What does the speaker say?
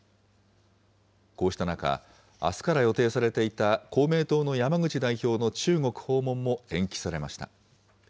こうした中、あすから予定されていた公明党の山口代表の中国訪問も延期されました。